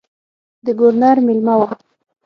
د ګورنر مېلمه وم.